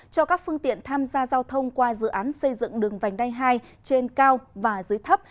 cho các phương tiện tham gia giao thông qua dự án xây dựng đường vành đai hai trên cao và dưới thấp